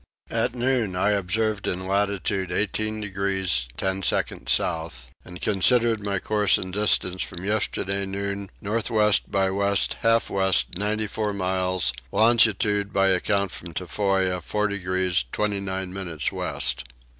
At noon I observed in latitude 18 degrees 10 seconds south and considered my course and distance from yesterday noon north west by west half west 94 miles; longitude by account from Tofoa 4 degrees 29 minutes west.